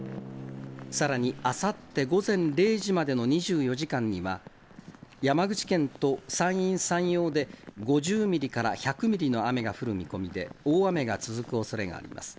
さらに、あさって午前０時までの２４時間には、山口県と山陰、山陽で５０ミリから１００ミリの雨が降る見込みで、大雨が続くおそれがあります。